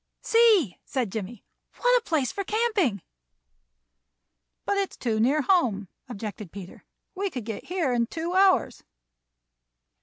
"See," said Jimmie, "what a place for camping!" "But it is too near home," objected Peter. "We could get here in two hours."